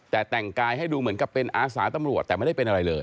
แต่แต่งกายให้ดูเหมือนกับเป็นอาสาตำรวจแต่ไม่ได้เป็นอะไรเลย